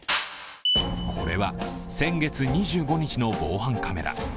これは先月２５日の防犯カメラ。